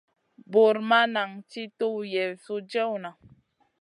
Bur ma nan ti tuw Yezu jewna.